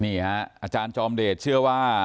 นี่ฮะอาจารย์จอมเดชเชื่อว่า